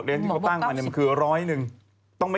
เรื่องที่เขาตั้งความเนินคือ๑๐๐นึง